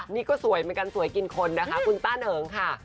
นี่ก็สวยกินคนนะคะคุณต้าเหนิงค่ะ